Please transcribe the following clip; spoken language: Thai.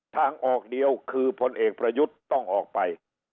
ทางออกเดียวคือพลเอกประยุทธ์ต้องออกไป